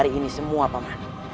dari ini semua paman